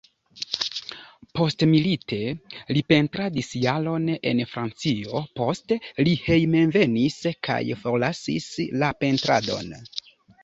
Postmilite li pentradis jaron en Francio, poste li hejmenvenis kaj forlasis la pentradon.